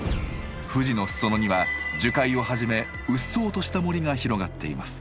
富士の裾野には樹海をはじめうっそうとした森が広がっています。